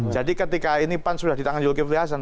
jadi ketika ini pan sudah di tangan yul kivlasan